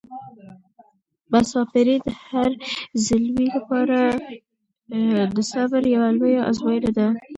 مساپري د هر زلمي لپاره د صبر یوه لویه ازموینه ده.